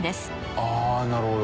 ああなるほど。